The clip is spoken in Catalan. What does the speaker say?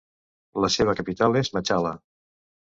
La seva capital és Machala.